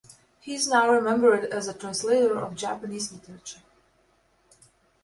He is now remembered as a translator of Japanese literature.